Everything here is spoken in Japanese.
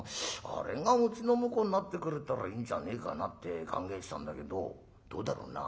あれがうちの婿になってくれたらいいんじゃねえかなって考えてたんだけどどうだろうな？」。